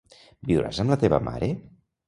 Viuràs amb la teva mare?